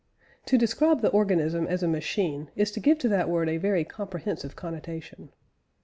To describe the organism as a machine, is to give to that word a very comprehensive connotation.